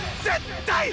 絶対！